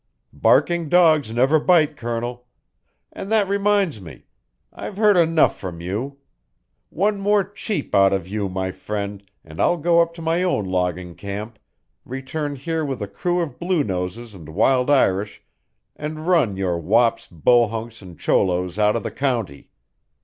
"Barking dogs never bite, Colonel. And that reminds me: I've heard enough from you. One more cheep out of you, my friend, and I'll go up to my own logging camp, return here with a crew of bluenoses and wild Irish and run your wops, bohunks, and cholos out of the county.